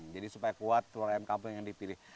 jadi supaya kuat telur ayam kampung yang dipilih